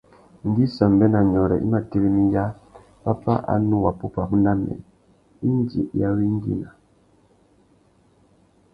Ngüi Sambê na Nyôrê i mà tirimiya pápá a nù wapupamú na mê, indi i awengüina.